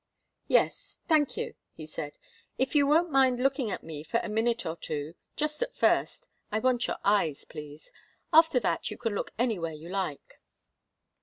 "Yes thank you," he said. "If you won't mind looking at me for a minute or two, just at first. I want your eyes, please. After that you can look anywhere you like."